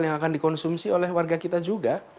yang akan dikonsumsi oleh warga kita juga